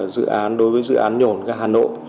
dự án đối với dự án nhổn hà nội